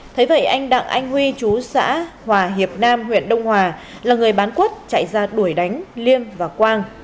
thế vậy anh đặng anh huy chú xã hòa hiệp nam huyện đông hòa là người bán quất chạy ra đuổi đánh liêm và quang